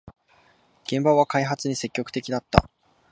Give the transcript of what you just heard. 現場は開発に積極的だった